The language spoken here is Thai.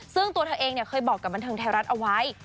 ซึ่งตัวเธอเองเคยบอกกับบันเทิงไทยรัฐเอาไว้